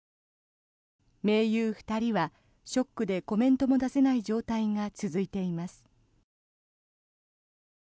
盟友２人はショックでコメントも出せない状態が続いています。